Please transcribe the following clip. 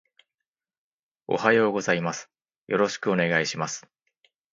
おはようございます。よろしくお願いします